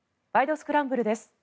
スクランブル」です。